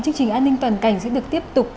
chương trình an ninh toàn cảnh sẽ được tiếp tục